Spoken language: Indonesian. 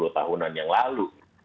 dua tahunan yang lalu